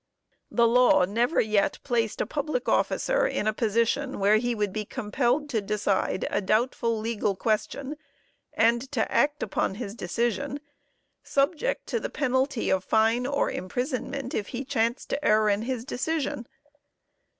The law never yet placed a public officer in a position where he would be compelled to decide a doubtful legal question, and to act upon his decision, subject to the penalty of fine or imprisonment if he chanced to err in his decision.